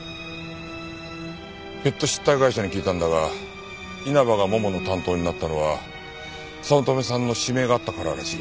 ペットシッター会社に聞いたんだが稲葉がももの担当になったのは早乙女さんの指名があったかららしい。